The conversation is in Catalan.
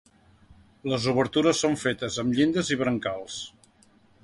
Les obertures són fetes amb llindes i brancals.